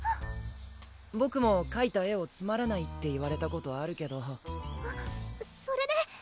ボクもかいた絵をつまらないって言われたことあるけどそれで？